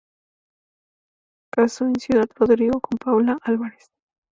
Casó en Ciudad Rodrigo con Paula Álvarez.